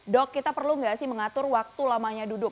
dok kita perlu nggak sih mengatur waktu lamanya duduk